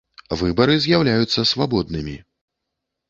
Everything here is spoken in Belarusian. Выбары з’яўляюцца свабоднымі.